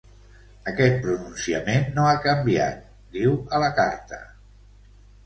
Aquest pronunciament no ha canviat, diu a la carta.